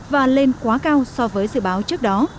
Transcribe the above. và lên quá cao so với dự báo trước đó